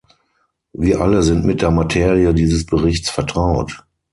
Wir alle sind mit der Materie dieses Berichts vertraut.